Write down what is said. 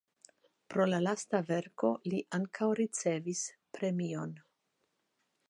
Pro la lasta verko li ankaŭ ricevis premion.